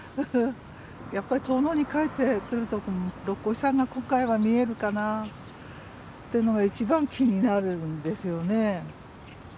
やっぱり遠野に帰ってくると六角牛山が今回は見えるかなっていうのが一番気になるんですよね。